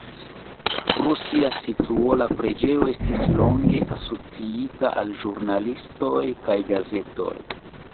Pro sia situo, la preĝejo estis longe asociita al ĵurnalistoj kaj gazetoj.